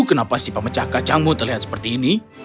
kenapa si pemecah kacangmu terlihat seperti ini